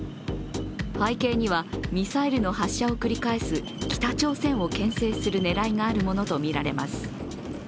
背景にはミサイルの発射を繰り返す北朝鮮をけん制する狙いがあるものとみられます。